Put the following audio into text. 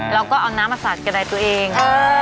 แล้วก็เอาน้ำมาสาดกระดายตัวเอง